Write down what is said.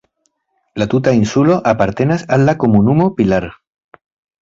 La tuta insulo apartenas al la komunumo Pilar.